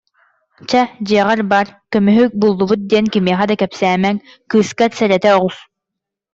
Чэ, дьиэҕэр бар, көмүһү буллубут диэн кимиэхэ да кэпсээмэҥ, кыыскар сэрэтэ оҕус